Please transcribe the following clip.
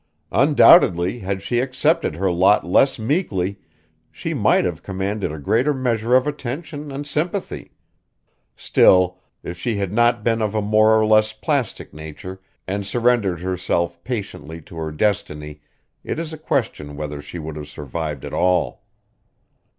Undoubtedly had she accepted her lot less meekly she might have commanded a greater measure of attention and sympathy; still, if she had not been of a more or less plastic nature and surrendered herself patiently to her destiny it is a question whether she would have survived at all.